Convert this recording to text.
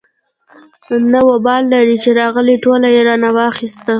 نه وبال لري چې راغی ټوله يې رانه واخېستله.